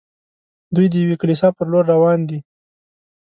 دوی د یوې کلیسا پر لور روان دي.